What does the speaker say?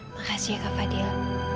makasih ya kak fadil